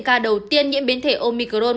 ca đầu tiên nhiễm biến thể omicron